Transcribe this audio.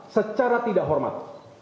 secara tidak hormat